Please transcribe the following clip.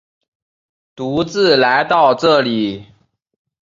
独自来到这里